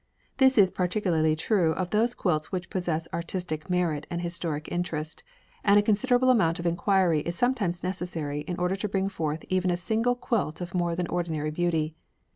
This is particularly true of those quilts which possess artistic merit and historic interest, and a considerable amount of inquiry is sometimes necessary in order to bring forth even a single quilt of more than ordinary beauty.